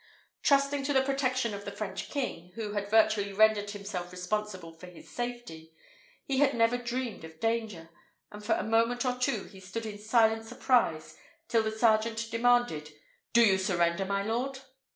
Trusting to the protection of the French king, who had virtually rendered himself responsible for his safety, he had never dreamed of danger; and for a moment or two he stood in silent surprise, till the sergeant demanded, "Do you surrender, my lord?"